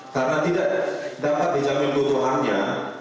karena tidak dapat dijamin keutuhannya